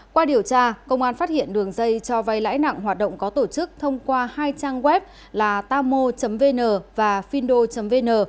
qua điều tra công an phát hiện đường dây cho vay lãi nặng hoạt động có tổ chức thông qua hai trang web làtamo vn và findo vn